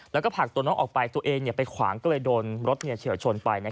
แล้วก็ผลักตัวน้องออกไปตัวเองไปขวางก็เลยโดนรถเฉียวชนไป